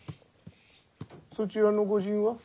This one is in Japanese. そちらのご仁は？